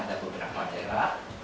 ada beberapa daerah